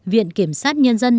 viện kiểm sát nhân dân